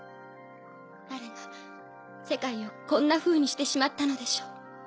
誰が世界をこんなふうにしてしまったのでしょう？